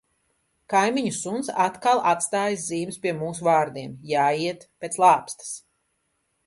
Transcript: Kaimiņu suns atkal atstājis zīmes pie mūsu vārtiem - jāiet pēc lāpstas.